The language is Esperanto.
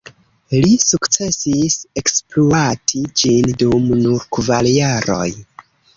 Li sukcesis ekspluati ĝin dum nur kvar jaroj.